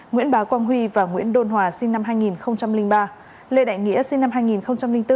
nguyễn bá quang huy và nguyễn đôn hòa sinh năm hai nghìn ba lê đại nghĩa sinh năm hai nghìn bốn